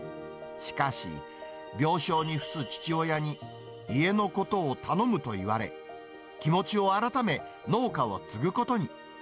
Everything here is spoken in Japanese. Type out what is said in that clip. しかし、病床に伏す父親に、家のことを頼むと言われ、気持ちを改め、農家を継ぐことに。